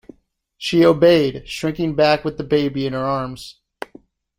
She obeyed, shrinking back with the baby in her arms.